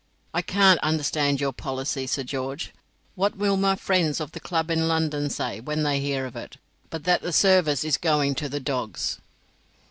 I can't understand your policy, Sir George. What will my friends of the club in London say, when they hear of it, but that the service is going to the dogs?"